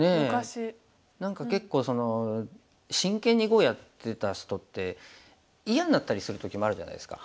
何か結構真剣に碁をやってた人って嫌になったりする時もあるじゃないですか。